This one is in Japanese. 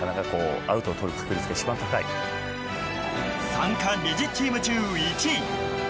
参加２０チーム中１位。